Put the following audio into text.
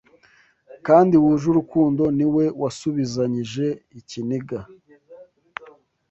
kandi wuje urukundo ni we wasubizanyije ikiniga